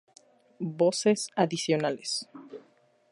Voces adicionales